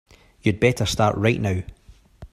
You'd better start right now.